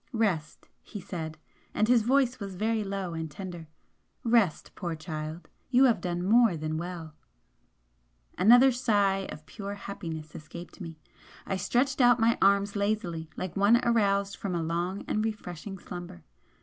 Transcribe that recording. "Rest!" he said, and his voice was very low and tender. "Rest, poor child! You have done more than well!" Another sigh of pure happiness escaped me, I stretched out my arms lazily like one aroused from a long and refreshing slumber.